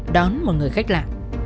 đón một người khách lạ